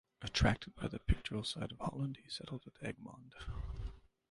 Attracted by the pictorial side of Holland, he settled at Egmond.